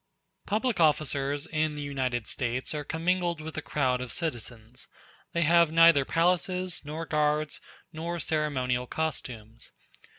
Public officers in the United States are commingled with the crowd of citizens; they have neither palaces, nor guards, nor ceremonial costumes.